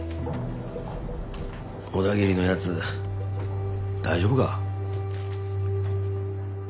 小田切のやつ大丈夫か？